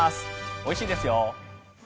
おいしいですよ。